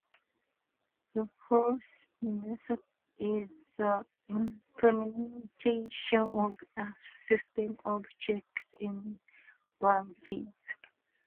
The fourth method is the implementation of a system of checks and balances.